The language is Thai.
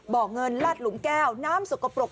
บ่อเงินลาดหลุมแก้วน้ำสกปรก